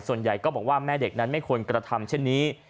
ส่วนใหญ่ก็บอกว่าแม่เด็กนั้นไม่ควรกระทำเช่นนี้